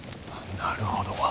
なるほど。